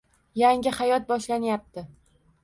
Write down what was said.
Yangi hayot boshlanyapti.